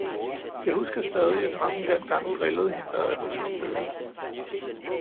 Jeg husker stadig, at mange dengang drillede hende med, at hun så spøgelser.